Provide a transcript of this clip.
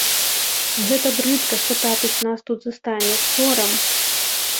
Гэта брыдка, што татусь нас тут застане, сорам!